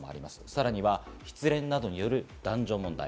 さらには失恋などによる男女問題。